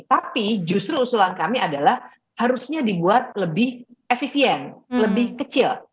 tapi justru usulan kami adalah harusnya dibuat lebih efisien lebih kecil